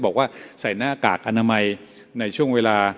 ผมอยากพูดนะคะ